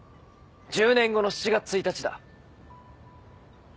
１０年後の７月１日だ。